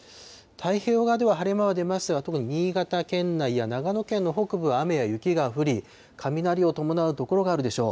太平洋側では晴れ間は出ますが、特に新潟県内や長野県の北部は雨や雪が降り、雷を伴う所があるでしょう。